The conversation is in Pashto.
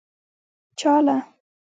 چا له.